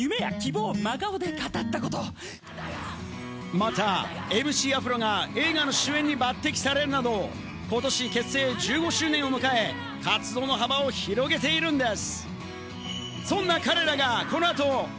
またＭＣ・アフロが映画の主演に抜てきされるなど、今年結成１５周年を迎え、活動の幅を広げているんです。